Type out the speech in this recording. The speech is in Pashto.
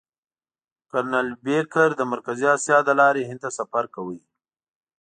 کرنل بېکر د مرکزي اسیا له لارې هند ته سفر کاوه.